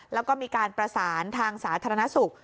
แล้วก็มีการประสานทางสาธารณสุข